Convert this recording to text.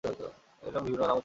এর বিভিন্ন নাম এবং উচ্চারণ আছে।